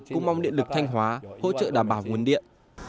cũng mong điện lực thanh hóa hỗ trợ đảm bảo nguồn điện